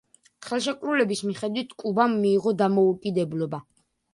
ხელშეკრულების მიხედვით კუბამ მიიღო დამოუკიდებლობა.